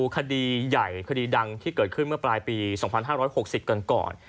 คดีใหญ่คดีดังที่เกิดขึ้นเมื่อปลายปี๒๕๖๐กันก่อน